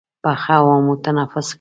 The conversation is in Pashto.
یخه هوا مو تنفس کړل.